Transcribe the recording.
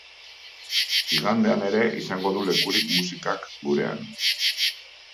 Igandean ere izango du lekurik musikak gurean.